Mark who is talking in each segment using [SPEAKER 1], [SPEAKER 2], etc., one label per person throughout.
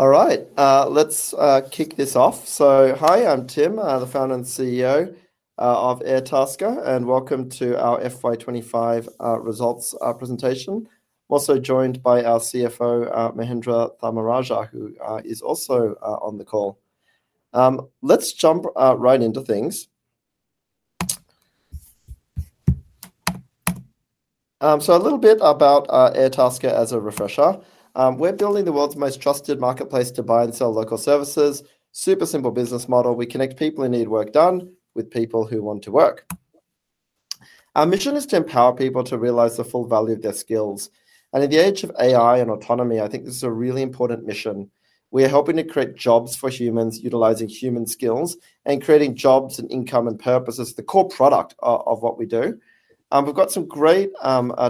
[SPEAKER 1] All right, let's kick this off. Hi, I'm Tim, the Founder and CEO of Airtasker, and welcome to our FY2025 Pesults presentation. I'm also joined by our CFO, Mahendra Tharmarajah, who is also on the call. Let's jump right into things. A little bit about Airtasker as a refresher. We're building the world's most trusted marketplace to buy and sell local services. Super simple business model. We connect people who need work done with people who want to work. Our mission is to empower people to realize the full value of their skills. In the age of AI and autonomy, I think this is a really important mission. We are helping to create jobs for humans, utilizing human skills, and creating jobs and income and purpose as the core product of what we do. We've got some great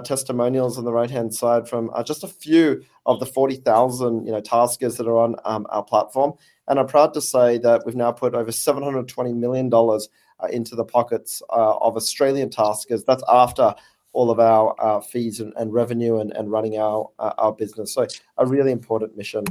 [SPEAKER 1] testimonials on the right-hand side from just a few of the 40,000 Taskers that are on our platform. I'm proud to say that we've now put over $720 million into the pockets of Australian Taskers. That's after all of our fees and revenue and running our business. A really important mission.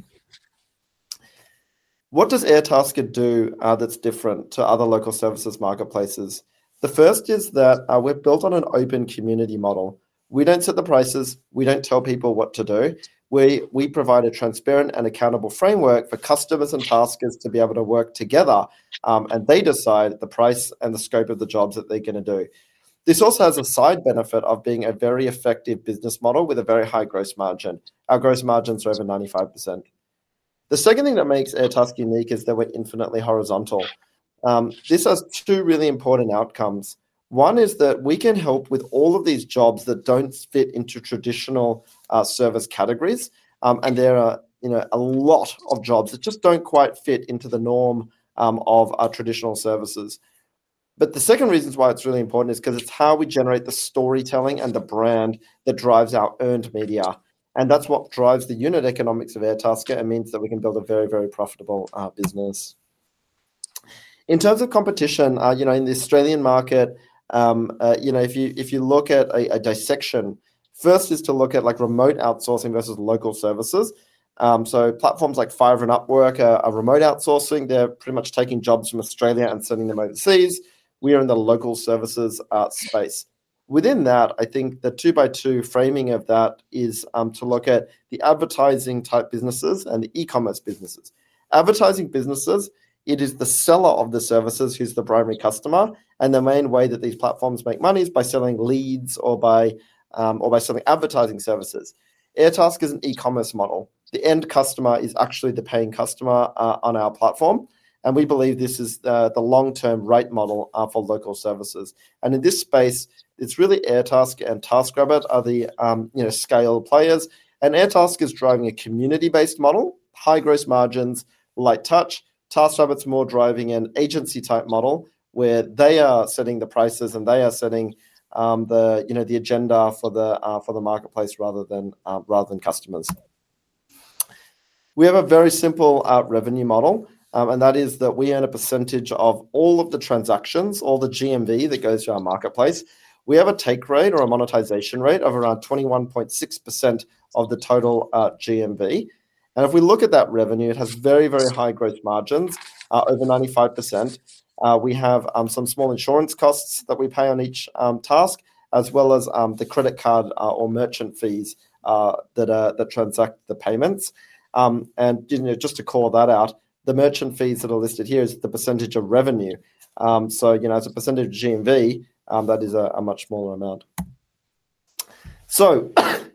[SPEAKER 1] What does Airtasker do that's different to other local services marketplaces? The first is that we're built on an open community model. We don't set the prices. We don't tell people what to do. We provide a transparent and accountable framework for customers and Taskers to be able to work together, and they decide the price and the scope of the jobs that they're going to do. This also has a side benefit of being a very effective business model with a very high gross margin. Our gross margins are over 95%. The second thing that makes Airtasker unique is that we're infinitely horizontal. This has two really important outcomes. One is that we can help with all of these jobs that don't fit into traditional service categories. There are a lot of jobs that just don't quite fit into the norm of our traditional services. The second reason why it's really important is because it's how we generate the storytelling and the brand that drives our earned media. That's what drives the unit economics of Airtasker and means that we can build a very, very profitable business. In terms of competition, in the Australian market, if you look at a dissection, first is to look at remote outsourcing versus local services. Platforms like Fiverr and Upwork are remote outsourcing. They're pretty much taking jobs from Australia and sending them overseas. We are in the local services space. Within that, I think the two-by-two framing of that is to look at the advertising-type businesses and the e-commerce businesses. Advertising businesses, it is the seller of the services who's the primary customer, and the main way that these platforms make money is by selling leads or by selling advertising services. Airtasker is an e-commerce model. The end customer is actually the paying customer on our platform, and we believe this is the long-term rate model for local services. In this space, it's really Airtasker and TaskRabbit are the scale players, and Airtasker is driving a community-based model, high gross margins, light touch. TaskRabbit's more driving an agency-type model where they are setting the prices and they are setting the agenda for the marketplace rather than customers. We have a very simple revenue model, and that is that we earn a percentage of all of the transactions, all the GMV that goes to our marketplace. We have a take rate or a monetization rate of around 21.6% of the total GMV. If we look at that revenue, it has very, very high gross margins, over 95%. We have some small insurance costs that we pay on each task, as well as the credit card or merchant fees that transact the payments. Just to call that out, the merchant fees that are listed here are the percentage of revenue. As a percentage of GMV, that is a much smaller amount.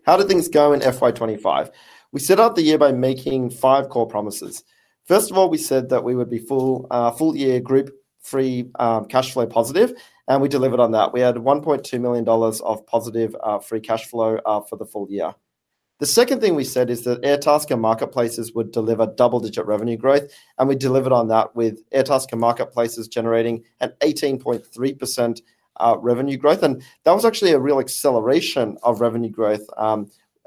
[SPEAKER 1] How did things go in FY2025? We set out the year by making five core promises. First of all, we said that we would be full-year group free cash flow positive, and we delivered on that. We added $1.2 million of positive free cash flow for the full year. The second thing we said is that Airtasker marketplaces would deliver double-digit revenue growth, and we delivered on that with Airtasker marketplaces generating an 18.3% revenue growth. That was actually a real acceleration of revenue growth.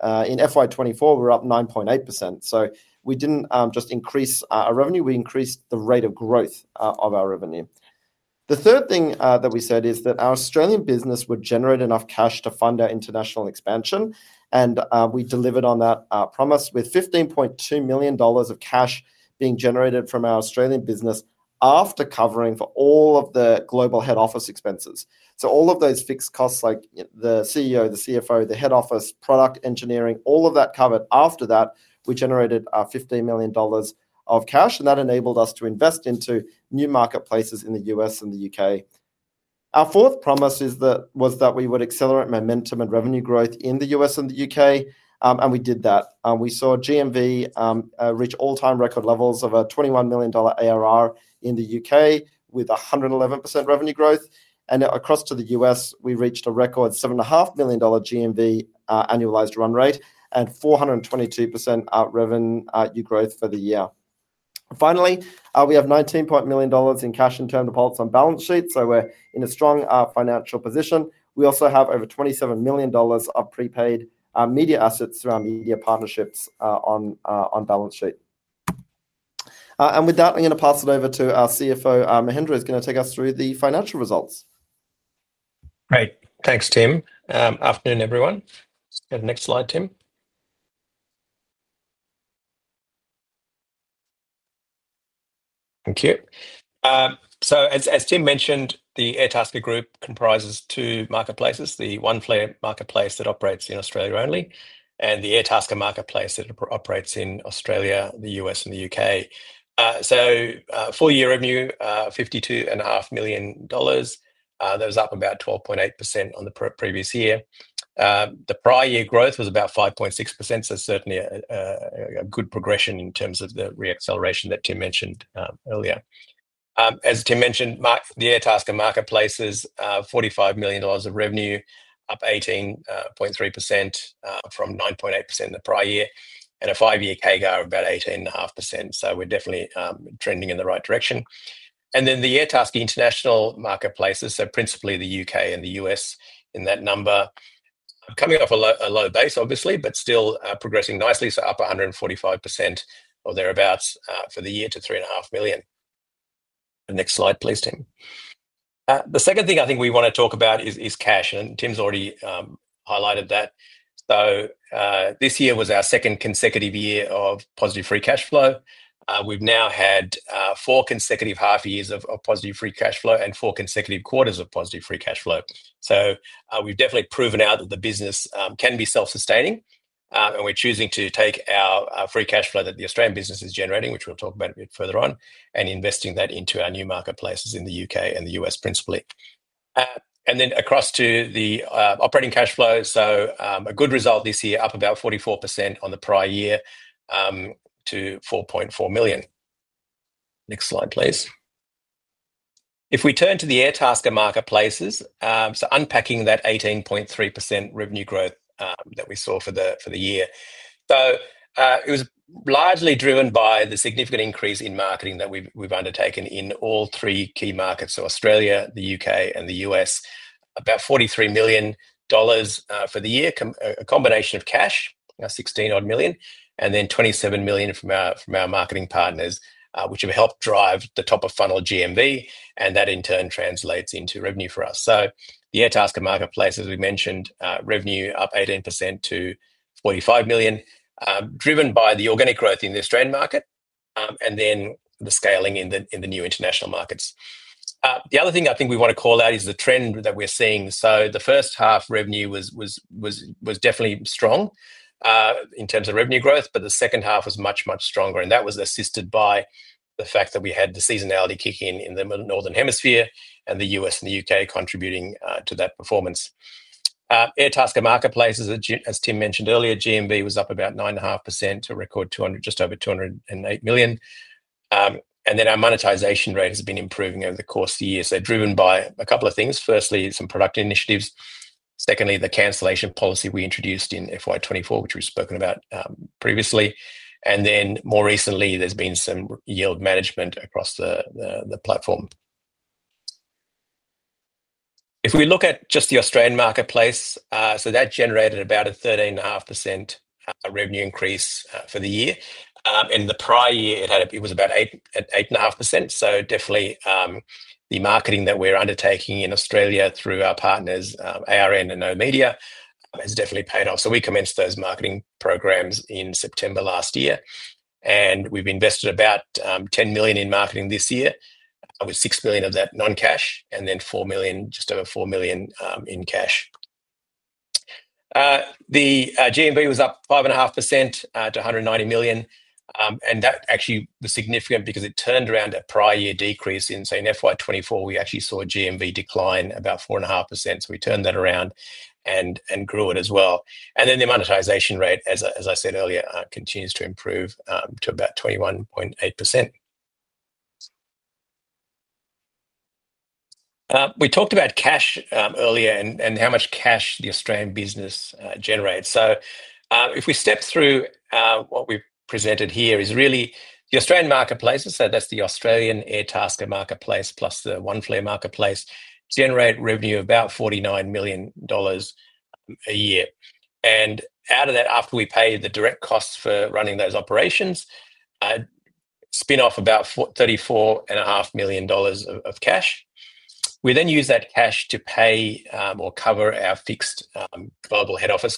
[SPEAKER 1] In FY2024, we were up 9.8%. We didn't just increase our revenue, we increased the rate of growth of our revenue. The third thing that we said is that our Australian business would generate enough cash to fund our international expansion, and we delivered on that promise with $15.2 million of cash being generated from our Australian business after covering for all of the global head office expenses. All of those fixed costs, like the CEO, the CFO, the head office, product engineering, all of that covered. After that, we generated $15 million of cash, and that enabled us to invest into new marketplaces in the U.S. and the U.K. Our fourth promise was that we would accelerate momentum and revenue growth in the U.S. and the U.K., and we did that. We saw GMV reach all-time record levels of a $21 million ARR in the U.K. with 111% revenue growth. Across to the U.S., we reached a record $7.5 million GMV annualized run rate and 422% revenue growth for the year. Finally, we have $19 million in cash in term deposits on balance sheet, so we're in a strong financial position. We also have over $27 million of prepaid media assets through our media partnerships on balance sheet. With that, I'm going to pass it over to our CFO, Mahendra, who's going to take us through the financial results.
[SPEAKER 2] Great. Thanks, Tim. Afternoon, everyone. Go to the next slide, Tim. Thank you. As Tim mentioned, the Airtasker group comprises two marketplaces, the Oneflare marketplace that operates in Australia only, and the Airtasker marketplace that operates in Australia, the U.S., and the U.K. Full-year revenue $52.5 million. That was up about 12.8% on the previous year. The prior year growth was about 5.6%, certainly a good progression in terms of the re-acceleration that Tim mentioned earlier. As Tim mentioned, the Airtasker marketplaces, $45 million of revenue, up 18.3% from 9.8% in the prior year, and a five-year CAGR of about 18.5%. We're definitely trending in the right direction. The Airtasker international marketplaces, principally the U.K. and the U.S. in that number, coming off a low base, obviously, but still progressing nicely, up 145% or thereabouts for the year to $3.5 million. Next slide, please, Tim. The second thing I think we want to talk about is cash, and Tim's already highlighted that. This year was our second consecutive year of positive free cash flow. We've now had four consecutive half years of positive free cash flow and four consecutive quarters of positive free cash flow. We've definitely proven out that the business can be self-sustaining, and we're choosing to take our free cash flow that the Australian business is generating, which we'll talk about a bit further on, and investing that into our new marketplaces in the U.K. and the U.S. principally. Across to the operating cash flow, a good result this year, up about 44% on the prior year to $4.4 million. Next slide, please. If we turn to the Airtasker marketplaces, unpacking that 18.3% revenue growth that we saw for the year. It was largely driven by the significant increase in marketing that we've undertaken in all three key markets, Australia, the U.K., and the U.S., about $43 million for the year, a combination of cash, $16 million, and then $27 million from our marketing partners, which have helped drive the top-of-funnel GMV, and that in turn translates into revenue for us. The Airtasker marketplace, as we mentioned, revenue up 18% to $45 million, driven by the organic growth in the Australian market and the scaling in the new international markets. The other thing I think we want to call out is the trend that we're seeing. The first half revenue was definitely strong in terms of revenue growth, but the second half was much, much stronger, and that was assisted by the fact that we had the seasonality kick in in the Northern Hemisphere, and the U.S. and the U.K. contributing to that performance. Airtasker marketplace, as Tim mentioned earlier, GMV was up about 9.5% to record just over $208 million. Our monetization rate has been improving over the course of the year, driven by a couple of things. Firstly, some product initiatives. Secondly, the cancellation policy we introduced in FY2024, which we've spoken about previously. More recently, there's been some yield management across the platform. If we look at just the Australian marketplace, that generated about a 13.5% revenue increase for the year. In the prior year, it was about 8.5%. The marketing that we're undertaking in Australia through our partners, ARN Media and oOh!media, has definitely paid off. We commenced those marketing programs in September last year. We've invested about $10 million in marketing this year, with $6 million of that non-cash, and just over $4 million in cash. The GMV was up 5.5% to $190 million. That actually was significant because it turned around a prior year decrease. In FY2024, we actually saw GMV decline about 4.5%. We turned that around and grew it as well. The monetization rate, as I said earlier, continues to improve to about 21.8%. We talked about cash earlier and how much cash the Australian business generates. If we step through what we've presented here, it is really the Australian marketplaces, so that's the Australian Airtasker marketplace plus the Oneflare marketplace, generate revenue about $49 million a year. Out of that, after we pay the direct costs for running those operations, spin off about $34.5 million of cash. We then use that cash to pay or cover our fixed global head office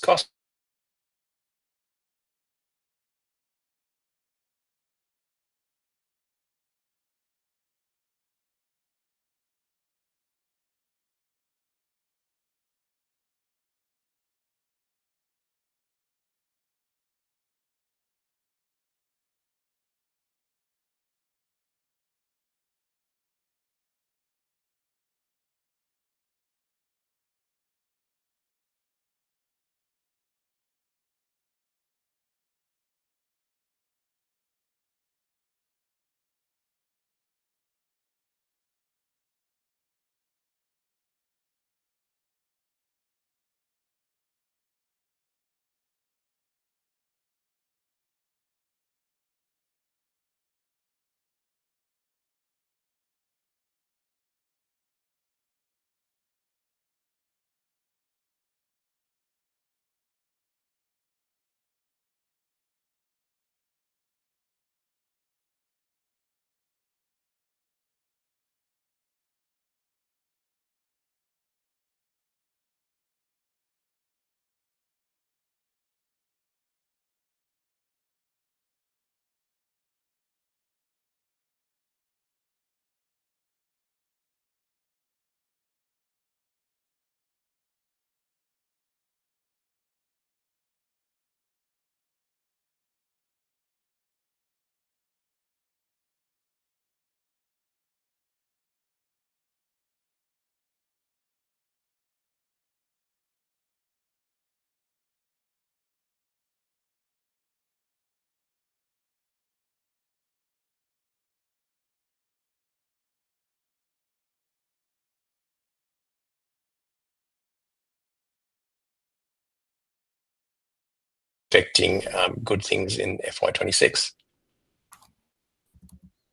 [SPEAKER 2] cost. We're expecting good things in FY2026.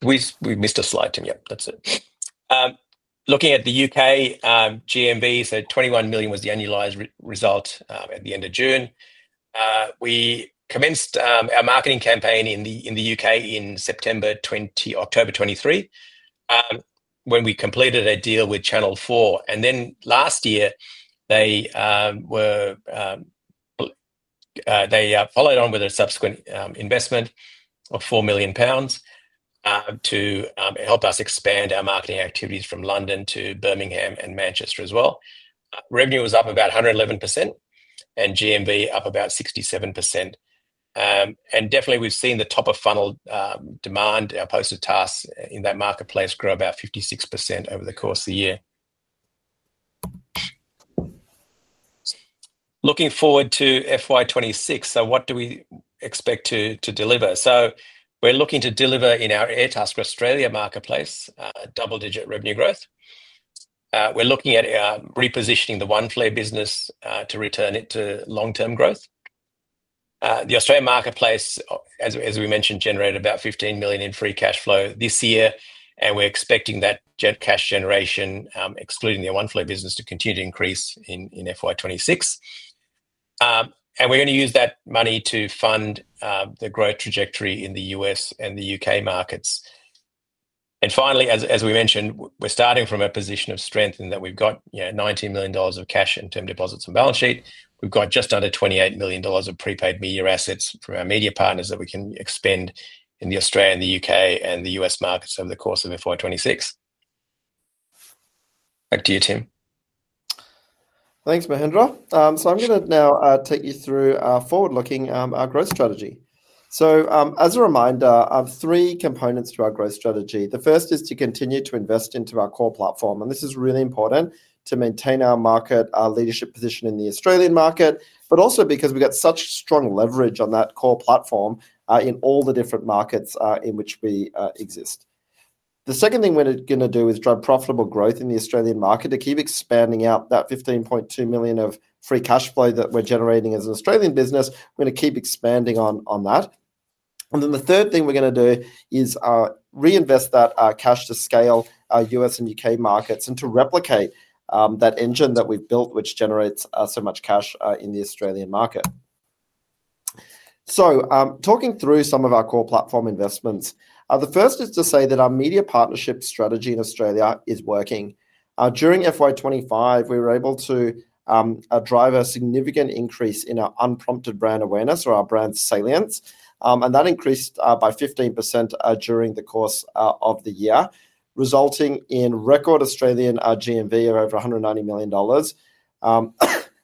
[SPEAKER 2] We missed a slide, Tim. Yeah, that's it. Looking at the U.K. GMV, $21 million was the annualized result at the end of June. We commenced our marketing campaign in the U.K. in September, October 2023, when we completed a deal with Channel 4 Ventures. Last year, they followed on with a subsequent investment of £4 million to help us expand our marketing activities from London to Birmingham and Manchester as well. Revenue was up about 111% and GMV up about 67%. We have seen the top-of-funnel demand, our posted tasks in that marketplace grow about 56% over the course of the year. Looking forward to FY2026, what do we expect to deliver? We are looking to deliver in our Airtasker Australia marketplace double-digit revenue growth. We are looking at repositioning the Oneflare business to return it to long-term growth. The Australian marketplace, as we mentioned, generated about $15 million in free cash flow this year, and we are expecting that cash generation, excluding the Oneflare business, to continue to increase in FY2026. We are going to use that money to fund the growth trajectory in the U.S. and the U.K. markets. Finally, as we mentioned, we are starting from a position of strength in that we have $19 million of cash in term deposits on balance sheet. We have just under $28 million of prepaid media assets from our media partners that we can expend in Australia, the U.K., and the U.S. markets over the course of FY2026. Back to you, Tim.
[SPEAKER 1] Thanks, Mahendra. I am going to now take you through our forward-looking growth strategy. As a reminder, there are three components to our growth strategy. The first is to continue to invest into our core platform. This is really important to maintain our market leadership position in the Australian market, but also because we have such strong leverage on that core platform in all the different markets in which we exist. The second thing we are going to do is drive profitable growth in the Australian market to keep expanding out that $15.2 million of free cash flow that we are generating as an Australian business. We are going to keep expanding on that. The third thing we are going to do is reinvest that cash to scale our U.S. and U.K. markets and to replicate that engine that we have built, which generates so much cash in the Australian market. Talking through some of our core platform investments, the first is to say that our media partnership strategy in Australia is working. During FY2025, we were able to drive a significant increase in our unprompted brand awareness or our brand salience. That increased by 15% during the course of the year, resulting in record Australian GMV of over $190 million,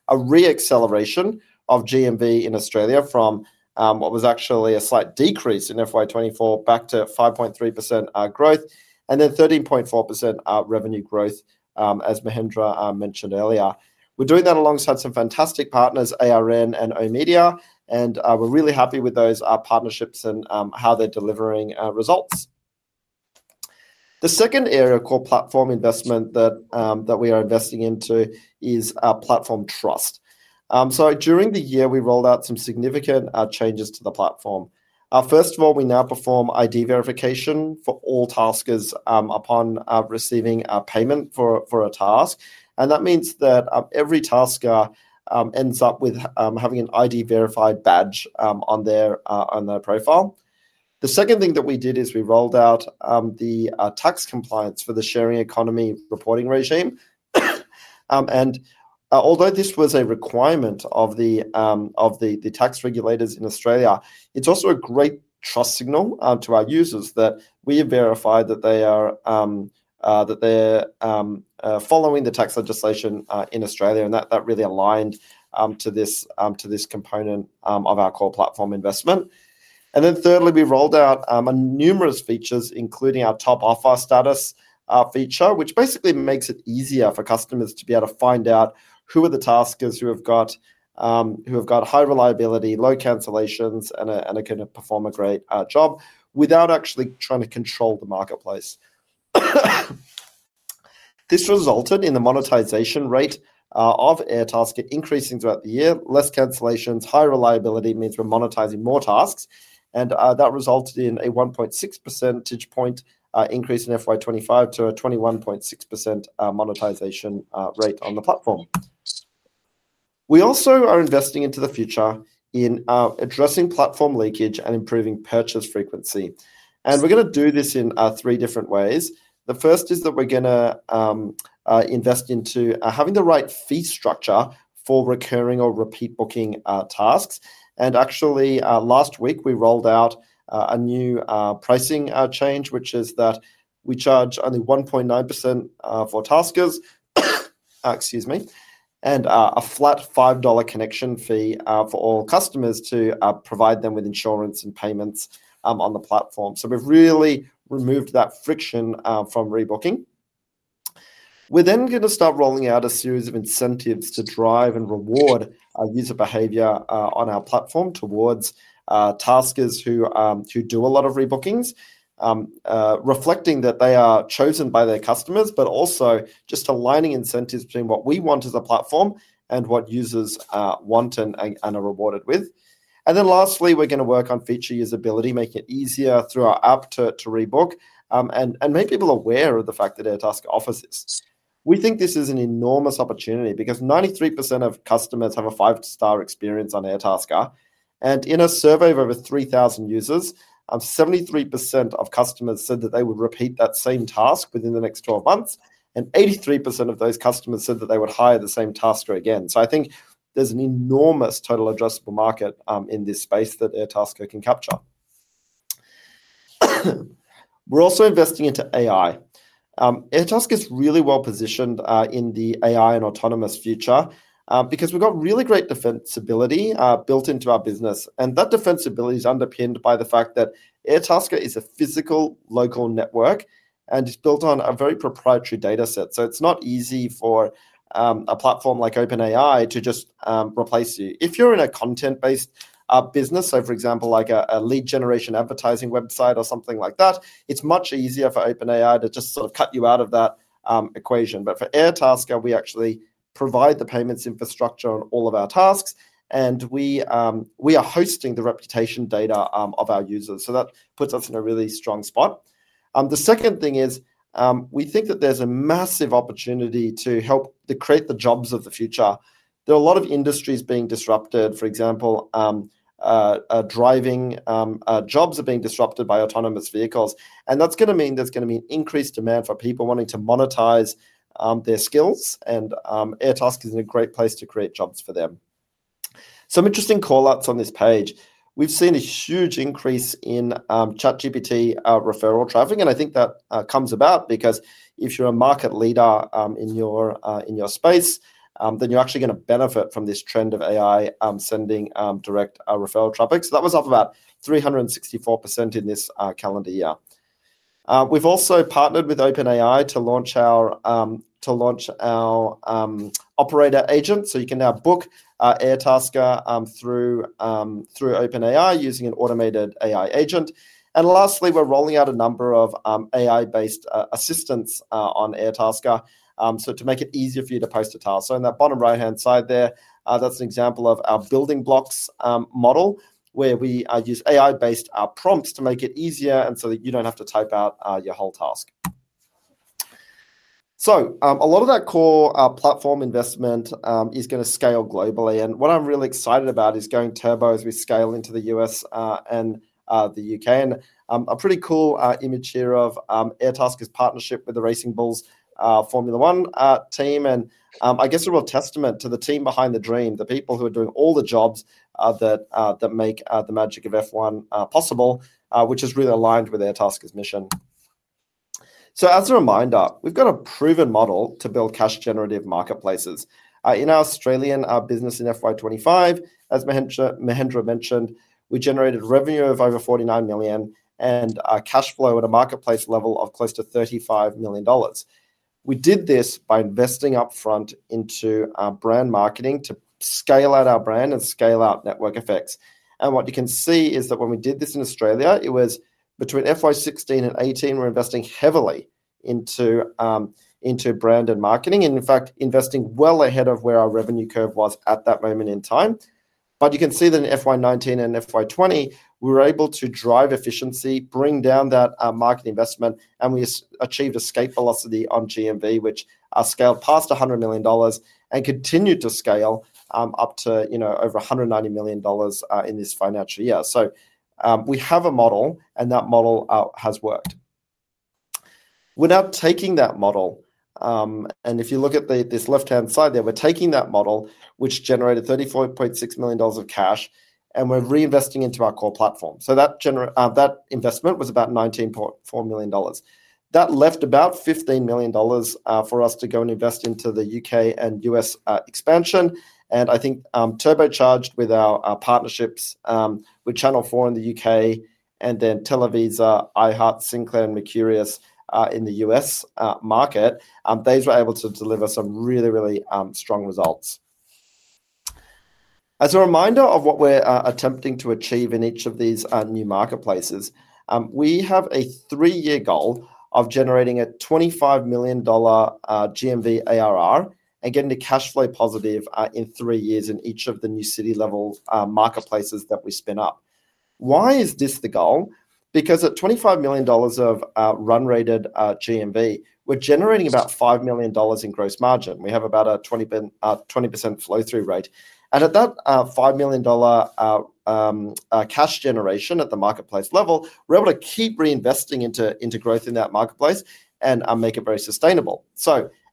[SPEAKER 1] a re-acceleration of GMV in Australia from what was actually a slight decrease in FY2024 back to 5.3% growth, and then 13.4% revenue growth, as Mahendra mentioned earlier. We're doing that alongside some fantastic partners, ARN Media and oOh!media, and we're really happy with those partnerships and how they're delivering results. The second area of core platform investment that we are investing into is our platform trust. During the year, we rolled out some significant changes to the platform. First of all, we now perform ID verification for all Taskers upon receiving a payment for a task. That means that every Tasker ends up having an ID-verified badge on their profile. The second thing that we did is we rolled out the tax compliance for the sharing economy tax regime. Although this was a requirement of the tax regulators in Australia, it's also a great trust signal to our users that we have verified that they are following the tax legislation in Australia, and that really aligned to this component of our core platform investment. Thirdly, we rolled out numerous features, including our top offer status feature, which basically makes it easier for customers to be able to find out who are the Taskers who have got high reliability, low cancellations, and are going to perform a great job without actually trying to control the marketplace. This resulted in the monetization rate of Airtasker increasing throughout the year. Less cancellations, high reliability means we're monetizing more tasks. That resulted in a 1.6% increase in FY2025 to a 21.6% monetization rate on the platform. We also are investing into the future in addressing platform leakage and improving purchase frequency. We're going to do this in three different ways. The first is that we're going to invest into having the right fee structure for recurring or repeat booking tasks. Last week, we rolled out a new pricing change, which is that we charge only 1.9% for Taskers, excuse me, and a flat $5 connection fee for all customers to provide them with insurance and payments on the platform. We've really removed that friction from rebooking. We're then going to start rolling out a series of incentives to drive and reward user behavior on our platform towards Taskers who do a lot of rebookings, reflecting that they are chosen by their customers, but also just aligning incentives between what we want as a platform and what users want and are rewarded with. Lastly, we're going to work on feature usability, making it easier through our app to rebook, and make people aware of the fact that Airtasker offers this. We think this is an enormous opportunity because 93% of customers have a five-star experience on Airtasker. In a survey of over 3,000 users, 73% of customers said that they would repeat that same task within the next 12 months, and 83% of those customers said that they would hire the same Tasker. I think there's an enormous total addressable market in this space that Airtasker can capture. We're also investing into AI. Airtasker is really well-positioned in the AI and autonomous future because we've got really great defensibility built into our business. That defensibility is underpinned by the fact that Airtasker is a physical local network, and it's built on a very proprietary data set. It's not easy for a platform like OpenAI to just replace you. If you're in a content-based business, for example, like a lead generation advertising website or something like that, it's much easier for OpenAI to just sort of cut you out of that equation. For Airtasker, we actually provide the payments infrastructure on all of our tasks, and we are hosting the reputation data of our users. That puts us in a really strong spot. The second thing is we think that there's a massive opportunity to help create the jobs of the future. There are a lot of industries being disrupted. For example, driving jobs are being disrupted by autonomous vehicles. That's going to mean there's going to be increased demand for people wanting to monetize their skills, and Airtasker is a great place to create jobs for them. Some interesting call-outs on this page. We've seen a huge increase in ChatGPT referral traffic, and I think that comes about because if you're a market leader in your space, then you're actually going to benefit from this trend of AI sending direct referral traffic. That was up about 364% in this calendar year. We've also partnered with OpenAI to launch our operator agent. You can now book Airtasker through OpenAI using an automated AI agent. Lastly, we're rolling out a number of AI-based assistants on Airtasker to make it easier for you to post a task. In that bottom right-hand side there, that's an example of our building blocks model where we use AI-based prompts to make it easier and so that you don't have to type out your whole task. A lot of that core platform investment is going to scale globally. What I'm really excited about is going turbo as we scale into the U.S. and the U.K. A pretty cool image here of Airtasker's partnership with the Racing Bulls Formula One team. I guess a real testament to the team behind the dream, the people who are doing all the jobs that make the magic of F1 possible, which is really aligned with Airtasker's mission. As a reminder, we've got a proven model to build cash-generative marketplaces. In our Australian business in FY2025, as Mahendra mentioned, we generated revenue of over $49 million and cash flow at a marketplace level of close to $35 million. We did this by investing upfront into our brand marketing to scale out our brand and scale out network effects. What you can see is that when we did this in Australia, it was between FY2016 and FY2018, investing heavily into brand and marketing and, in fact, investing well ahead of where our revenue curve was at that moment in time. You can see that in FY2019 and FY2020, we were able to drive efficiency, bring down that market investment, and we achieved escape velocity on GMV, which scaled past $100 million and continued to scale up to over $190 million in this financial year. We have a model, and that model has worked. Without taking that model, and if you look at this left-hand side there, we're taking that model, which generated $34.6 million of cash, and we're reinvesting into our core platform. That investment was about $19.4 million. That left about $15 million for us to go and invest into the U.K. and U.S. expansion. I think turbocharged with our partnerships with Channel 4 in the U.K. and then Televisa, iHeart, Sinclair, and Mercurius in the U.S. market, they were able to deliver some really, really strong results. As a reminder of what we're attempting to achieve in each of these new marketplaces, we have a three-year goal of generating a $25 million GMV ARR and getting the cash flow positive in three years in each of the new city-level marketplaces that we spin up. Why is this the goal? At $25 million of run-rated GMV, we're generating about $5 million in gross margin. We have about a 20% flow-through rate. At that $5 million cash generation at the marketplace level, we're able to keep reinvesting into growth in that marketplace and make it very sustainable.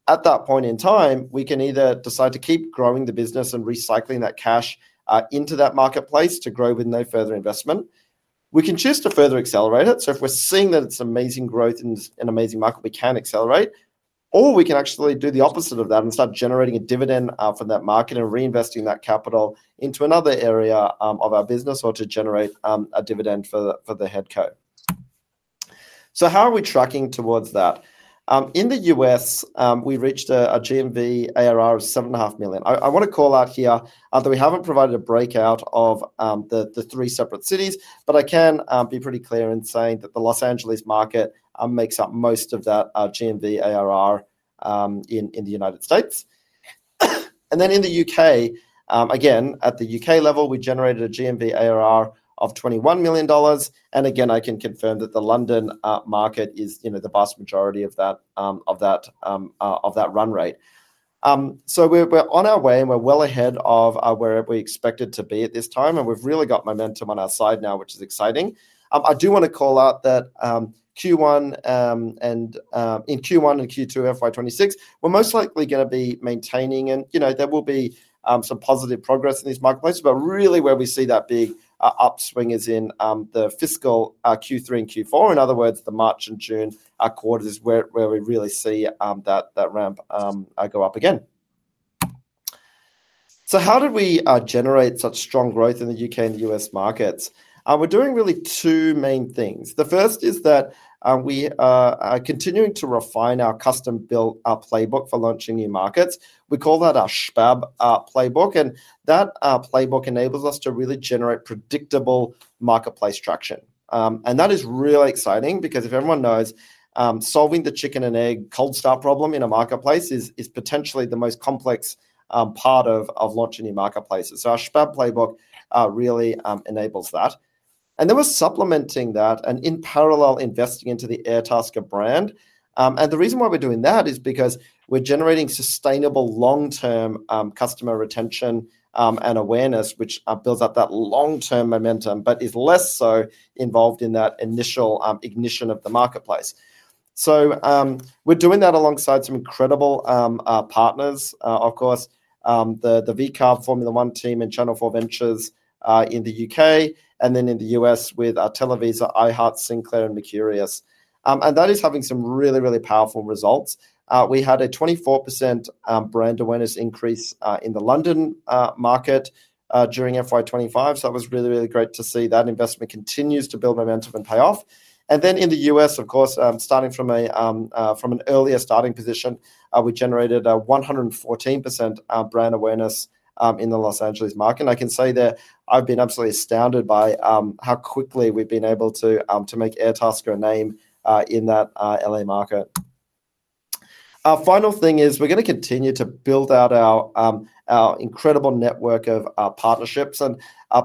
[SPEAKER 1] At that point in time, we can either decide to keep growing the business and recycling that cash into that marketplace to grow with no further investment. We can choose to further accelerate it. If we're seeing that it's amazing growth and amazing market, we can accelerate. We can actually do the opposite of that and start generating a dividend from that market and reinvesting that capital into another area of our business or to generate a dividend for the head co. How are we tracking towards that? In the U.S., we reached a GMV ARR of $7.5 million. I want to call out here that we haven't provided a breakout of the three separate cities, but I can be pretty clear in saying that the Los Angeles market makes up most of that GMV ARR in the United States. In the U.K., again, at the U.K. level, we generated a GMV ARR of $21 million. I can confirm that the London market is the vast majority of that run rate. We're on our way, and we're well ahead of where we expected to be at this time. We've really got momentum on our side now, which is exciting. I do want to call out that in Q1 and Q2 of FY2026, we're most likely going to be maintaining, and there will be some positive progress in these marketplaces. Really, where we see that big upswing is in the fiscal Q3 and Q4. In other words, the March and June quarters is where we really see that ramp go up again. How did we generate such strong growth in the U.K. and the U.S. markets? We're doing really two main things. The first is that we are continuing to refine our custom-built playbook for launching new markets. We call that our SHPAB playbook. That playbook enables us to really generate predictable marketplace traction. That is really exciting because everyone knows solving the chicken and egg cold start problem in a marketplace is potentially the most complex part of launching new marketplaces. Our SHPAB playbook really enables that. We're supplementing that and in parallel investing into the Airtasker brand. The reason why we're doing that is because we're generating sustainable long-term customer retention and awareness, which builds up that long-term momentum, but is less so involved in that initial ignition of the marketplace. We're doing that alongside some incredible partners, of course, the VCARB Formula One team and Channel 4 Ventures in the U.K., and in the U.S. with Televisa, iHeart, Sinclair, and Mercurius. That is having some really, really powerful results. We had a 24% brand awareness increase in the London market during FY2025. It was really, really great to see that investment continues to build momentum and pay off. In the U.S., of course, starting from an earlier starting position, we generated a 114% brand awareness in the Los Angeles market. I can say that I've been absolutely astounded by how quickly we've been able to make Airtasker a name in that LA market. Our final thing is we're going to continue to build out our incredible network of partnerships.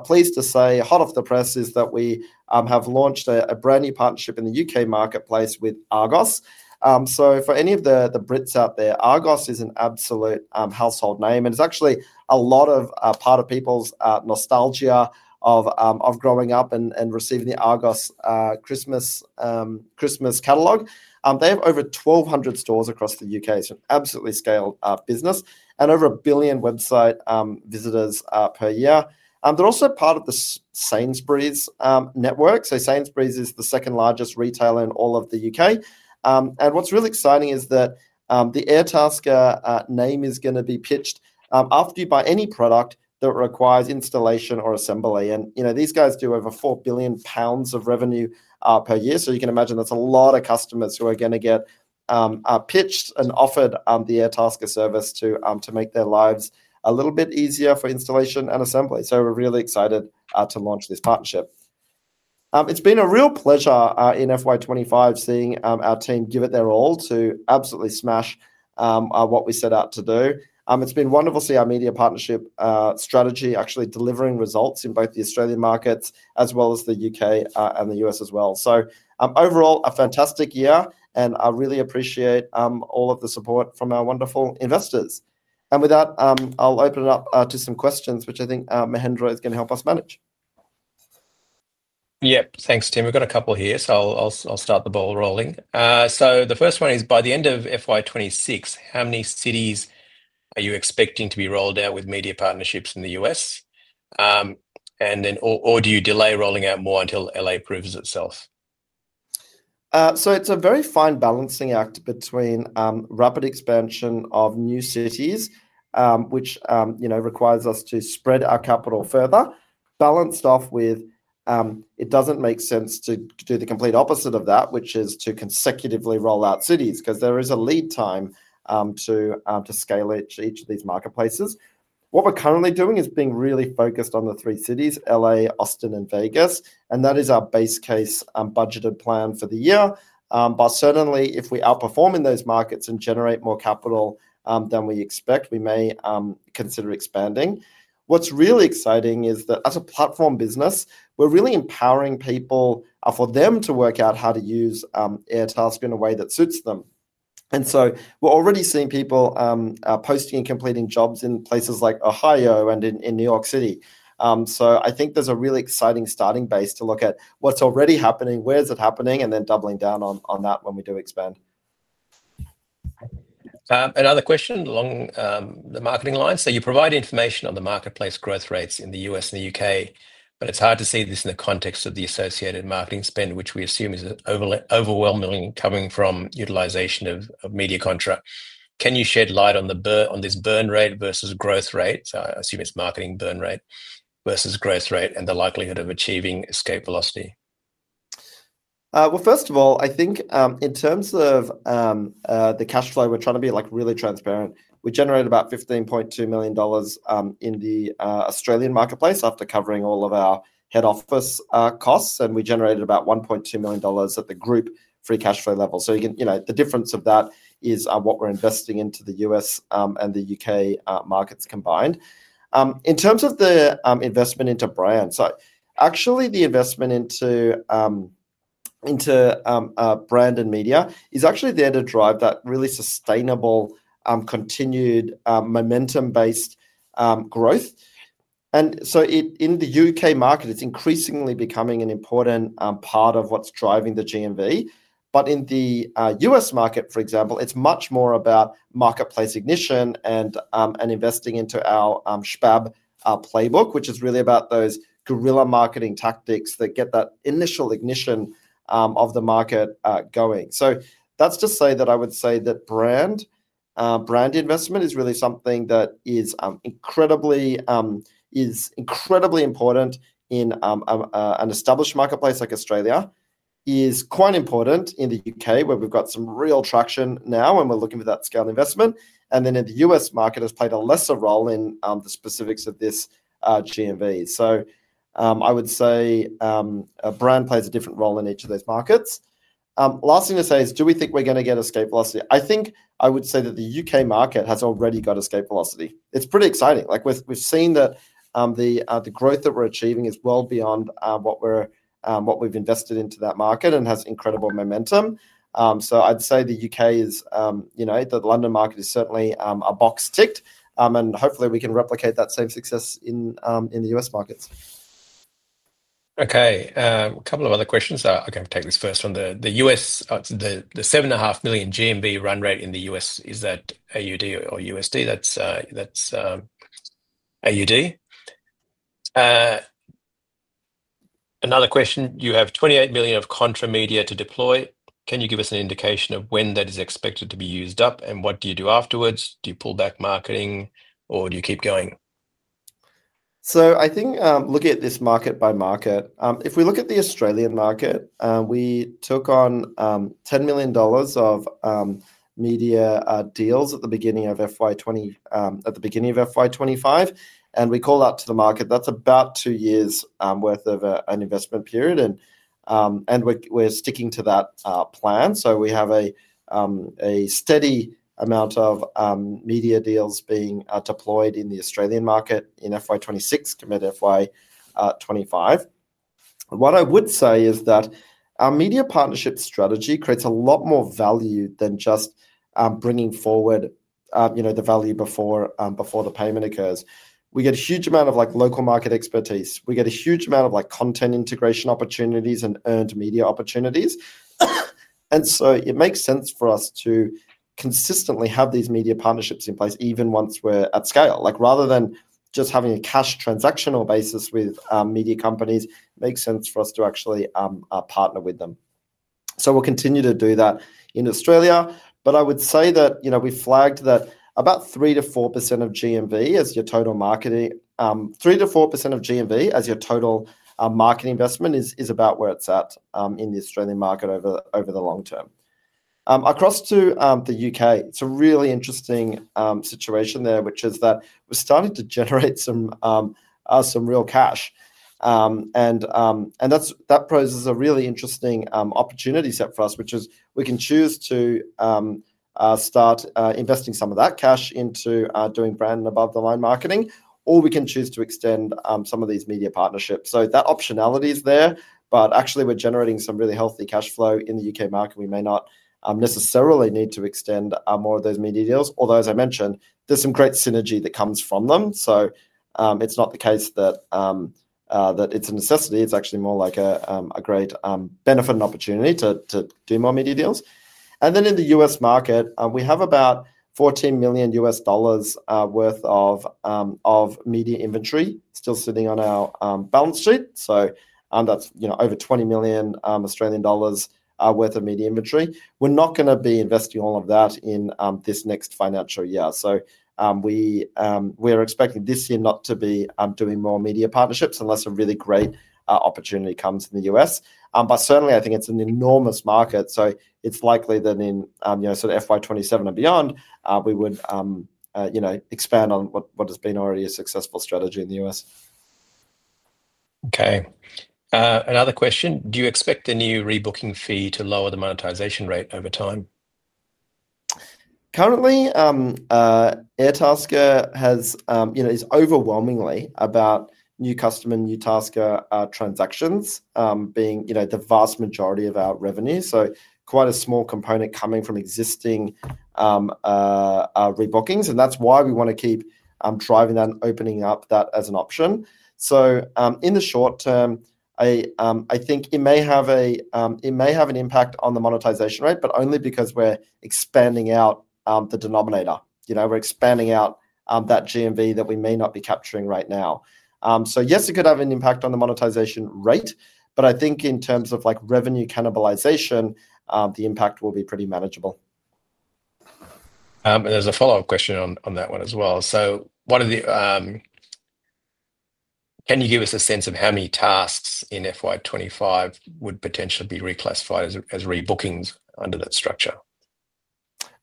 [SPEAKER 1] Pleased to say, hot off the press is that we have launched a brand new partnership in the U.K. marketplace with Argos. For any of the Brits out there, Argos is an absolute household name. It's actually a lot of part of people's nostalgia of growing up and receiving the Argos Christmas catalog. They have over 1,200 stores across the U.K., so an absolutely scaled business, and over a billion website visitors per year. They're also part of the Sainsbury's network. Sainsbury's is the second largest retailer in all of the U.K.. What's really exciting is that the Airtasker name is going to be pitched after you buy any product that requires installation or assembly. You know these guys do over 4 billion pounds of revenue per year. You can imagine that's a lot of customers who are going to get pitched and offered the Airtasker service to make their lives a little bit easier for installation and assembly. We're really excited to launch this partnership. It's been a real pleasure in FY2025 seeing our team give it their all to absolutely smash what we set out to do. It's been wonderful to see our media partnership strategy actually delivering results in both the Australian markets as well as the U.K. and the U.S. as well. Overall, a fantastic year. I really appreciate all of the support from our wonderful investors. With that, I'll open it up to some questions, which I think Mahendra is going to help us manage.
[SPEAKER 2] Yep. Thanks, Tim. We've got a couple here, so I'll start the ball rolling. The first one is, by the end of FY2026, how many cities are you expecting to be rolled out with media partnerships in the U.S.? Or do you delay rolling out more until L.A. proves itself?
[SPEAKER 1] It is a very fine balancing act between rapid expansion of new cities, which requires us to spread our capital further, balanced off with it doesn't make sense to do the complete opposite of that, which is to consecutively roll out cities because there is a lead time to scale each of these marketplaces. What we're currently doing is being really focused on the three cities: LA, Austin, and Vegas. That is our base case budgeted plan for the year. If we outperform in those markets and generate more capital than we expect, we may consider expanding. What's really exciting is that as a platform business, we're really empowering people for them to work out how to use the Airtasker marketplace in a way that suits them. We're already seeing people posting and completing jobs in places like Ohio and in New York City. I think there's a really exciting starting base to look at what's already happening, where it is happening, and then doubling down on that when we do expand.
[SPEAKER 2] Another question along the marketing lines. You provide information on the marketplace growth rates in the U.S. and the U.K., but it's hard to see this in the context of the associated marketing spend, which we assume is overwhelmingly coming from utilization of media contracts. Can you shed light on this burn rate versus growth rate? I assume it's marketing burn rate versus growth rate and the likelihood of achieving escape velocity.
[SPEAKER 1] First of all, I think in terms of the cash flow, we're trying to be really transparent. We generated about $15.2 million in the Australian marketplace after covering all of our head office costs. We generated about $1.2 million at the group free cash flow level. The difference of that is what we're investing into the U.S. and the U.K. markets combined. In terms of the investment into brand, the investment into brand and media is actually there to drive that really sustainable, continued momentum-based growth. In the U.K. market, it's increasingly becoming an important part of what's driving the GMV. In the U.S. market, for example, it's much more about marketplace ignition and investing into our SHPAB playbook, which is really about those guerrilla marketing tactics that get that initial ignition of the market going. That's to say that I would say that brand investment is really something that is incredibly important in an established marketplace like Australia, is quite important in the U.K., where we've got some real traction now and we're looking for that scale investment. In the U.S. market, it has played a lesser role in the specifics of this GMV. I would say brand plays a different role in each of those markets. Last thing to say is, do we think we're going to get escape velocity? I think I would say that the U.K. market has already got escape velocity. It's pretty exciting. We've seen that the growth that we're achieving is well beyond what we've invested into that market and has incredible momentum. I'd say the U.K. is, you know, the London market is certainly a box ticked. Hopefully, we can replicate that same success in the U.S. markets.
[SPEAKER 2] OK. A couple of other questions. I can take this first one. The U.S., the $7.5 million GMV run rate in the U.S., is that AUD or USD? That's AUD. Another question. You have $28 million of contra media to deploy. Can you give us an indication of when that is expected to be used up and what do you do afterwards? Do you pull back marketing or do you keep going?
[SPEAKER 1] I think looking at this market by market, if we look at the Australian market, we took on $10 million of media deals at the beginning of FY2025. We call out to the market that's about two years' worth of an investment period, and we're sticking to that plan. We have a steady amount of media deals being deployed in the Australian market in FY2026, commit FY2025. What I would say is that our media partnership strategy creates a lot more value than just bringing forward the value before the payment occurs. We get a huge amount of local market expertise, a huge amount of content integration opportunities, and earned media opportunities. It makes sense for us to consistently have these media partnerships in place, even once we're at scale. Rather than just having a cash transactional basis with media companies, it makes sense for us to actually partner with them. We'll continue to do that in Australia. I would say that we flagged that about 3%-4% of GMV as your total market, 3%-4% of GMV as your total market investment is about where it's at in the Australian market over the long term. Across to the U.K., it's a really interesting situation there, which is that we're starting to generate some real cash. That poses a really interesting opportunity set for us, which is we can choose to start investing some of that cash into doing brand and above-the-line marketing, or we can choose to extend some of these media partnerships. That optionality is there. Actually, we're generating some really healthy cash flow in the U.K. market. We may not necessarily need to extend more of those media deals, although, as I mentioned, there's some great synergy that comes from them. It's not the case that it's a necessity. It's actually more like a great benefit and opportunity to do more media deals. In the U.S. market, we have about AUD 14 million worth of media inventory still sitting on our balance sheet. That's over 20 million Australian dollars worth of media inventory. We're not going to be investing all of that in this next financial year. We're expecting this year not to be doing more media partnerships unless a really great opportunity comes in the U.S. Certainly, I think it's an enormous market. It's likely that in sort of FY2027 and beyond, we would expand on what has been already a successful strategy in the U.S.
[SPEAKER 2] OK. Another question. Do you expect a new rebooking fee to lower the monetization rate over time?
[SPEAKER 1] Currently, Airtasker is overwhelmingly about new customer and new tasker transactions being the vast majority of our revenue. Quite a small component is coming from existing rebookings. That's why we want to keep driving that and opening up that as an option. In the short term, I think it may have an impact on the monetization rate, but only because we're expanding out the denominator. We're expanding out that GMV that we may not be capturing right now. Yes, it could have an impact on the monetization rate. I think in terms of revenue cannibalization, the impact will be pretty manageable.
[SPEAKER 2] There's a follow-up question on that one as well. Can you give us a sense of how many tasks in FY2025 would potentially be reclassified as rebookings under that structure?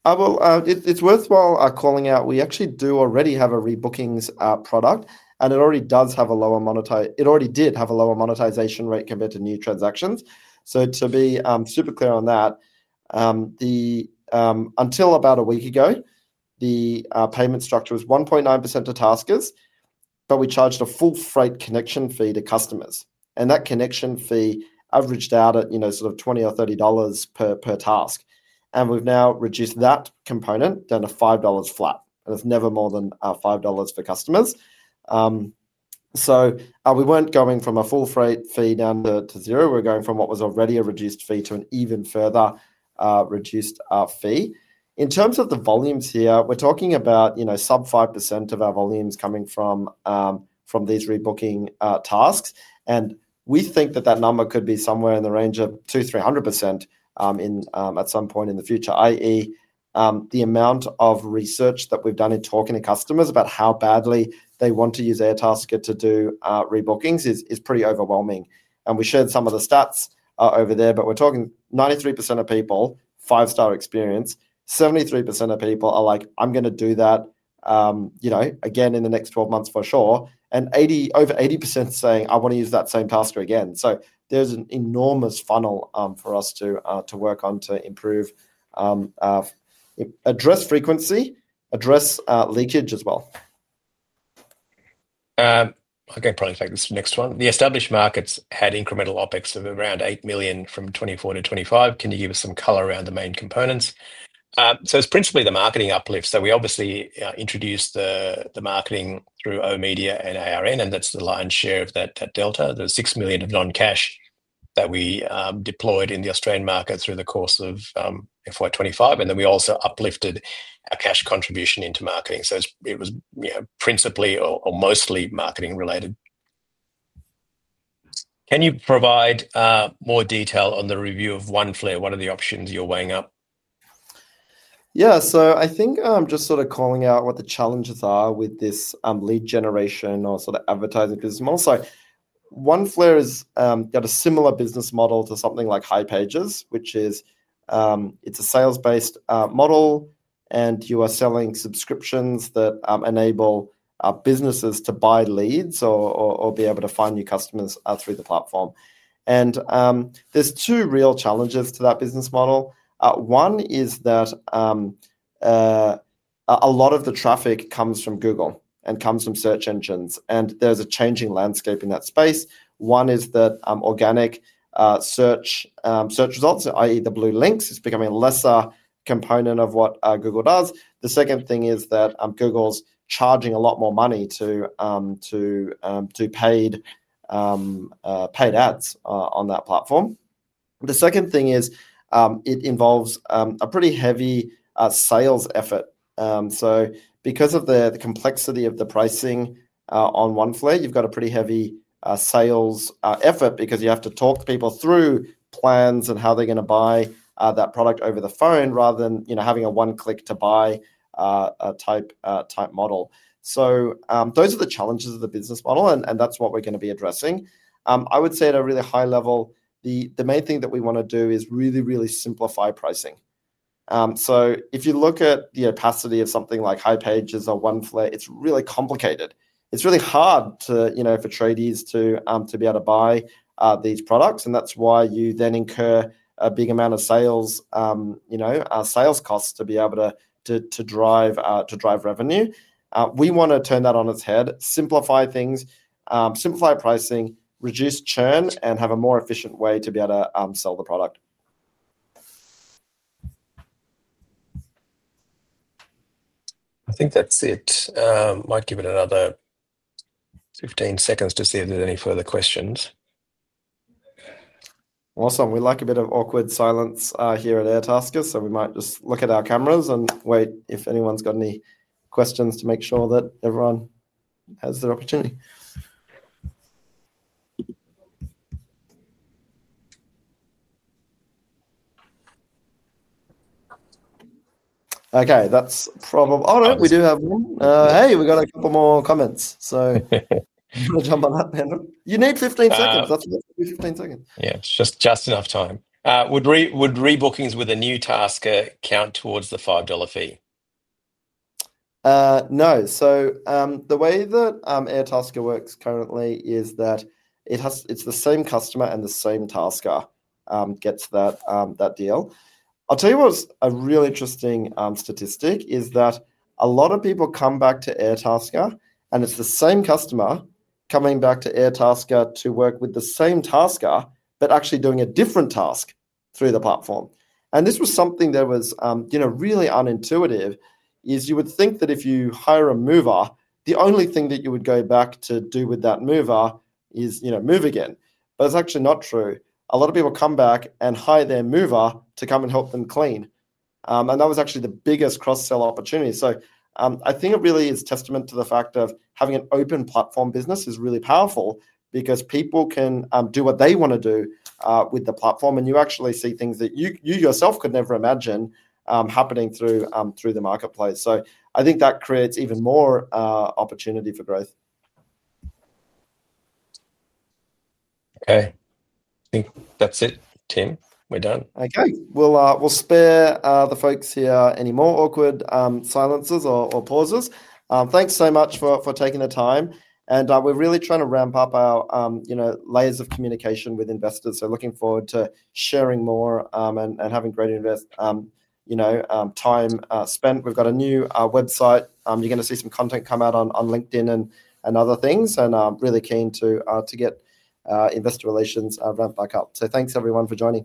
[SPEAKER 1] It's worthwhile calling out we actually do already have a rebookings product, and it already does have a lower monetization rate compared to new transactions. To be super clear on that, until about a week ago, the payment structure was 1.9% to taskers, but we charged a full freight connection fee to customers. That connection fee averaged out at sort of $20 or $30 per task, and we've now reduced that component down to $5 flat. It's never more than $5 for customers. We weren't going from a full freight fee down to zero. We're going from what was already a reduced fee to an even further reduced fee. In terms of the volumes here, we're talking about sub-5% of our volumes coming from these rebooking tasks, and we think that number could be somewhere in the range of 200%-300% at some point in the future. I.e., the amount of research that we've done in talking to customers about how badly they want to use Airtasker to do rebookings is pretty overwhelming. We shared some of the stats over there. We're talking 93% of people, five-star experience. 73% of people are like, I'm going to do that again in the next 12 months for sure. Over 80% are saying, I want to use that same tasker again. There's an enormous funnel for us to work on to improve, address frequency, address leakage as well.
[SPEAKER 2] I can probably take this next one. The established markets had incremental OpEx of around $8 million from 2024 to 2025. Can you give us some color around the main components? It's principally the marketing uplift. We obviously introduced the marketing through oOh!media and ARN Media, and that's the lion's share of that delta. There's $6 million of non-cash that we deployed in the Australian market through the course of FY2025. We also uplifted a cash contribution into marketing. It was principally or mostly marketing-related. Can you provide more detail on the review of Oneflare, one of the options you're weighing up?
[SPEAKER 1] Yeah. I think I'm just sort of calling out what the challenges are with this lead generation or sort of advertising business model. Oneflare has got a similar business model to something like hipages, which is a sales-based model. You are selling subscriptions that enable businesses to buy leads or be able to find new customers through the platform. There are two real challenges to that business model. One is that a lot of the traffic comes from Google and comes from search engines. There's a changing landscape in that space. One is that organic search results, i.e., the blue links, are becoming a lesser component of what Google does. The second thing is that Google's charging a lot more money to paid ads on that platform. It also involves a pretty heavy sales effort. Because of the complexity of the pricing on Oneflare, you've got a pretty heavy sales effort because you have to talk people through plans and how they're going to buy that product over the phone rather than having a one-click-to-buy type model. Those are the challenges of the business model. That's what we're going to be addressing. I would say at a really high level, the main thing that we want to do is really, really simplify pricing. If you look at the opacity of something like hipages or Oneflare, it's really complicated. It's really hard for tradies to be able to buy these products. That's why you then incur a big amount of sales costs to be able to drive revenue. We want to turn that on its head, simplify things, simplify pricing, reduce churn, and have a more efficient way to be able to sell the product.
[SPEAKER 2] I think that's it. Might give it another 15 seconds to see if there's any further questions.
[SPEAKER 1] Awesome. We like a bit of awkward silence here at Airtasker. We might just look at our cameras and wait if anyone's got any questions to make sure that everyone has their opportunity. OK, that's probably oh, no, we do have one. Hey, we've got a couple more comments. I'm going to jump on that. You need 15 seconds. That's 15 seconds.
[SPEAKER 2] It's just enough time. Would rebookings with a new tasker count towards the $5 fee?
[SPEAKER 1] No. The way that Airtasker works currently is that it's the same customer and the same tasker gets that deal. I'll tell you what's a really interesting statistic: a lot of people come back to Airtasker, and it's the same customer coming back to Airtasker to work with the same tasker but actually doing a different task through the platform. This was something that was really unintuitive. You would think that if you hire a mover, the only thing that you would go back to do with that mover is move again. That's actually not true. A lot of people come back and hire their mover to come and help them clean. That was actually the biggest cross-seller opportunity. I think it really is a testament to the fact that having an open platform business is really powerful because people can do what they want to do with the platform. You actually see things that you yourself could never imagine happening through the marketplace. I think that creates even more opportunity for growth.
[SPEAKER 2] OK. I think that's it, Tim. We're done.
[SPEAKER 1] OK. We'll spare the folks here any more awkward silences or pauses. Thanks so much for taking the time. We're really trying to ramp up our layers of communication with investors. Looking forward to sharing more and having great time spent. We've got a new website. You're going to see some content come out on LinkedIn and other things. I'm really keen to get investor relations ramped back up. Thanks, everyone, for joining.